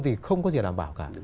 thì không có gì đảm bảo cả